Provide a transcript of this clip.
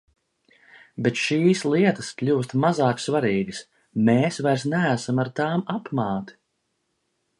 Bet šīs lietas kļūst mazāk svarīgas, mēs vairs neesam ar tām apmāti.